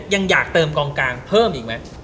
ยังอยากเติมกองกางเพิ่มหรือยังวะ